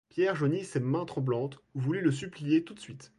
Pierre joignit ses mains tremblantes, voulut le supplier tout de suite.